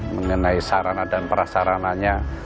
mengenai sarana dan prasarananya